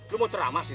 lo mau ceramah sini ha